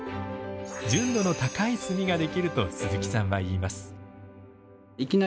純度の高い炭が出来ると鈴木さんは言います。